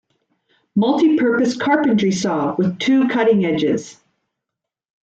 Multi-purpose carpentry saw with two cutting edges.